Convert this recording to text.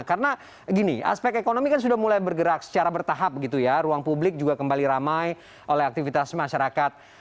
karena aspek ekonomi kan sudah mulai bergerak secara bertahap gitu ya ruang publik juga kembali ramai oleh aktivitas masyarakat